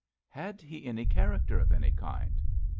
Had he any character of any kind!